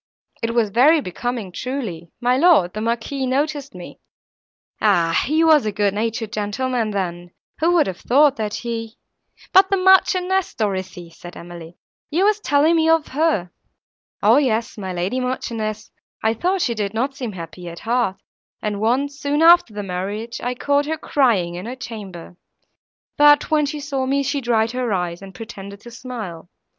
It was very becoming truly;—my lord, the Marquis, noticed me. Ah! he was a good natured gentleman then—who would have thought that he—" "But the Marchioness, Dorothée," said Emily, "you were telling me of her." "O yes, my lady Marchioness, I thought she did not seem happy at heart, and once, soon after the marriage, I caught her crying in her chamber; but, when she saw me, she dried her eyes, and pretended to smile.